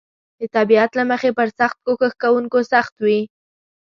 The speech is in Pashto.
د طبیعت له مخې پر سخت کوښښ کونکو سخت وي.